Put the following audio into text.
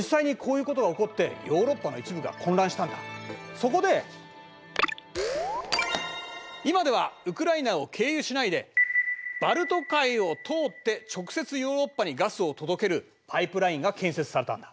そこで今ではウクライナを経由しないでバルト海を通って直接ヨーロッパにガスを届けるパイプラインが建設されたんだ。